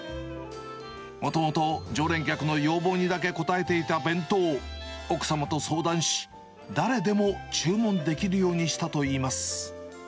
もともと常連客の要望にだけ応えていた弁当を、奥様と相談し、誰でも注文できるようにしたといいます。